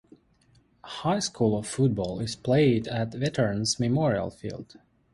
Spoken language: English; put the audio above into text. High school football is played at Veterans Memorial Field.